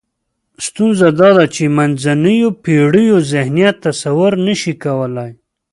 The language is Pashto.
ستونزه دا ده چې منځنیو پېړیو ذهنیت تصور نشي کولای.